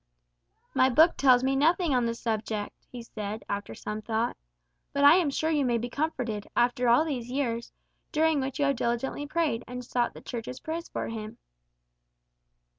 "My book tells me nothing on the subject," he said, after some thought. "But I am sure you may be comforted, after all these years, during which you have diligently prayed, and sought the Church's prayers for him."